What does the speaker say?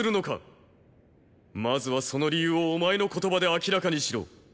まずはその理由をお前の言葉で明らかにしろ。